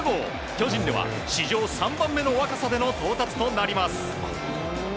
巨人では史上３番目の若さでの到達となります。